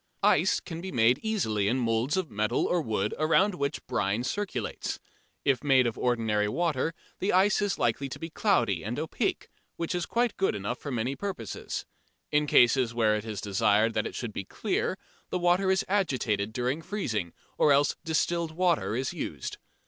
Ice can be made easily in moulds of metal or wood around which brine circulates. If made of ordinary water the ice is likely to be cloudy and opaque, which is quite good enough for many purposes. In cases where it is desired that it should be clear, the water is agitated during freezing, or else distilled water is used.